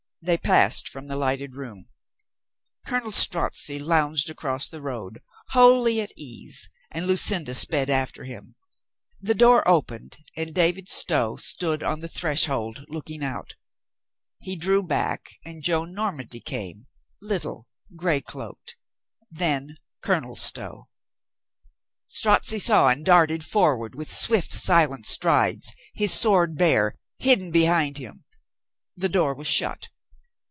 They passed from the lighted room. Colonel Strozzi lounged across the road, wholly at ease, and Lucinda sped after him. The door opened and David Stow stood on the threshold looking out. He drew back and Joan Normandy came, little, gray cloaked. Then Colonel Stow. Strozzi saw and darted forward 452 COLONEL GREATHEART with swift, silent strides, his sword bare, hidden be hind him. The door was shut.